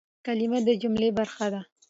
کلیمه د جملې برخه ده.